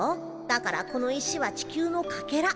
だからこの石は地球のかけら。